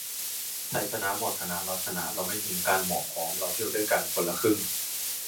ไทยชนะ หมอชนะ เราชนะ เราไม่ทิ้งกัน หมอพร้อม เราเที่ยวด้วยกัน คนละครึ่ง